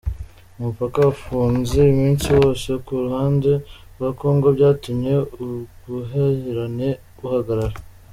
Umupaka wafunze umunsi wose ku ruhande rwa Congo byatumye ubuhahirane buhagarara.